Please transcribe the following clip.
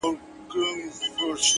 • هتکړۍ به دي تل نه وي ,